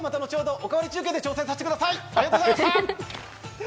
「おかわり中継」で挑戦させてください。